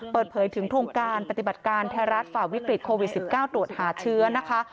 เปิดเผยถึงโครงการปฏิบัติการไทยรัฐฝ่าวิกฤตโควิด๑๙ตรวจหาเชื้อนะคะ